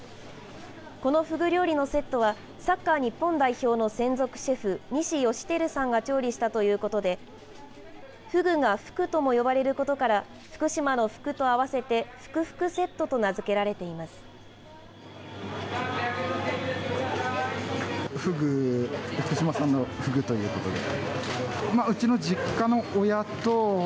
このフグ料理のセットはサッカー日本代表の専属シェフ西芳照さんが調理したということでフグがフクとも呼ばれることから福島の福と合わせて福ふくセットと名付けられています。